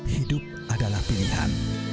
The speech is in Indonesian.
hidup adalah pilihan